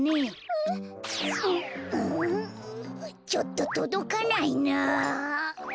ちょっととどかないな。